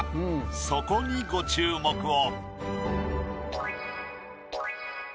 そこにご注目を。